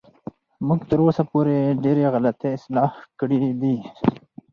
موږ تر اوسه پورې ډېرې غلطۍ اصلاح کړې دي.